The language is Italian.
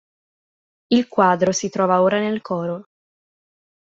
Il quadro si trova ora nel coro.